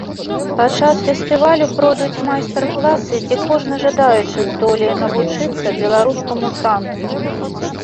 Падчас фестывалю пройдуць майстар класы, дзе кожны жадаючы здолее навучыцца беларускаму танцу.